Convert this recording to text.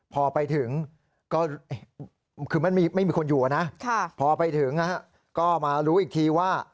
พอไปถึงก็คือไม่มีคนอยู่นะพอไปถึงก็มารู้อีกทีว่า